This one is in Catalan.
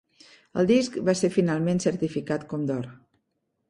El disc va ser finalment certificat com d'or.